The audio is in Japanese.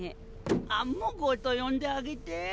アンモ号と呼んであげて。